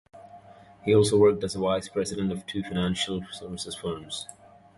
He also worked as the vice president of two financial services firms.